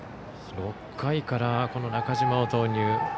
６回から中嶋を投入。